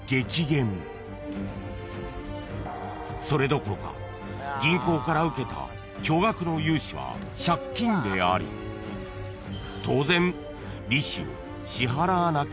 ［それどころか銀行から受けた巨額の融資は借金であり当然］